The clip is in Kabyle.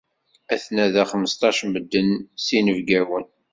Aten-a da xmesṭac n medden s yinebgawen.